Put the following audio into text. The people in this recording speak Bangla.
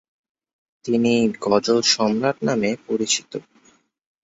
তিনি "গজল-সম্রাট" নামে পরিচিত।